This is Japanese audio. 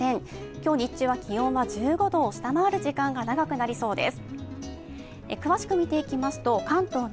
今日日中は気温は１５度を下回る時間が長くなりそうです。